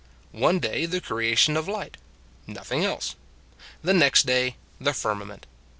One day the creation of light nothing else. The next day, the firmament.